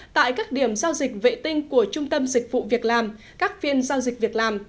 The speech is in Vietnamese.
tại các điểm giao dịch vệ tinh của trung tâm dịch vụ việc làm các phiên giao dịch việc làm